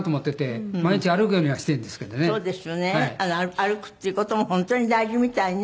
歩くっていう事も本当に大事みたいね。